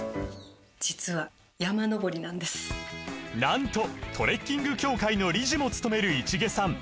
実はなんとトレッキング協会の理事もつとめる市毛さん